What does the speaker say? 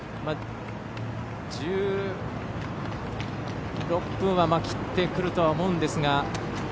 １６分は切ってくると思うんですが。